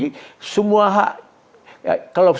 ini harus melibatkan bukan satu kelompok